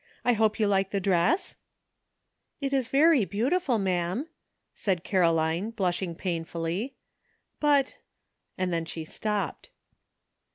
I hope you like the dress ?" ''It is very beautiful, ma'am," said Caroline, blushing painfully; "but" — and then she stopped.